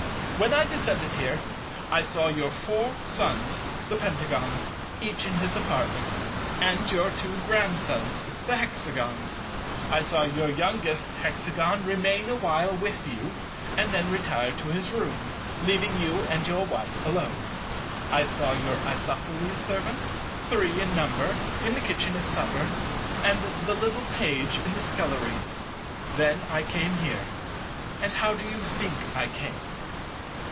When I descended here, I saw your four Sons, the Pentagons, each in his apartment, and your two Grandsons the Hexagons; I saw your youngest Hexagon remain a while with you and then retire to his room, leaving you and your Wife alone. I saw your Isosceles servants, three in number, in the kitchen at supper, and the little Page in the scullery. Then I came here, and how do you think I came?